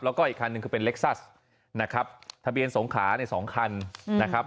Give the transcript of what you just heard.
แล้วก็อีกคันหนึ่งคือเป็นเล็กซัสนะครับทะเบียนสงขาในสองคันนะครับ